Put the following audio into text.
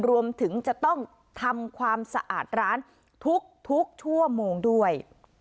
รวมถึงจะต้องทำความสะอาดร้านทุกชั่วโมงด้วย